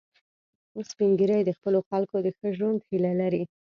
سپین ږیری د خپلو خلکو د ښه ژوند هیله لري